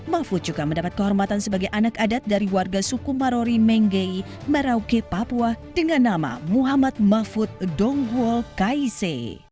mahfud juga mendapat kehormatan sebagai anak adat dari warga suku marori menggei merauke papua dengan nama muhammad mahfud donggul kaise